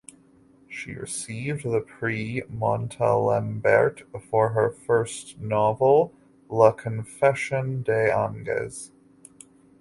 She received the Prix Montalembert for her first novel "La Confession des anges".